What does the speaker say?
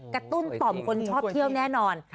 ตุ้นต่อมคนชอบเที่ยวแน่นอน